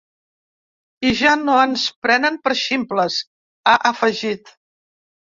I ja no ens prenen per ximples, ha afegit.